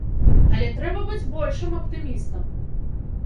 Але трэба быць большым аптымістам!